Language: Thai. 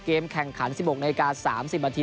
เกมแข่งขัน๑๖นาที๓๐นาที